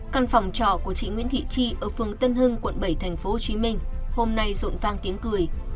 căn phòng trò của chị nguyễn thị chi ở phường tân hưng quận bảy tp hcm hôm nay rộn vang tiếng cười